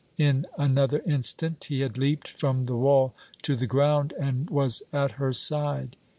In another instant he had leaped from the wall to the ground and was at her side.